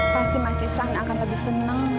pasti mas isan akan lebih senang